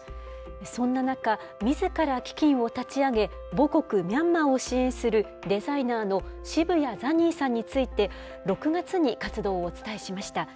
そんな中、みずから基金を立ち上げ、母国ミャンマーを支援する、デザイナーの渋谷ザニーさんについて、６月に活動をお伝えしました。